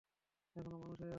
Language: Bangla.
এখনো মানুষ হয়ে আছি।